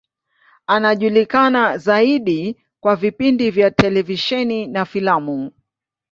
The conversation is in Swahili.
Anajulikana zaidi kwa vipindi vya televisheni na filamu.